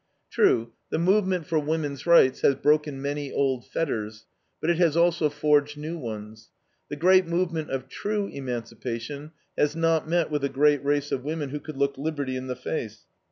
True, the movement for woman's rights has broken many old fetters, but it has also forged new ones. The great movement of TRUE emancipation has not met with a great race of women who could look liberty in the face.